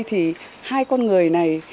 thì hai con người này